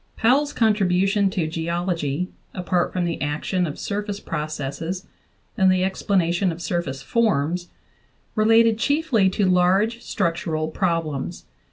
Powell's contribution to geology apart from the action of surface processes and the explanation of surface forms re lated chiefly to large structural problems.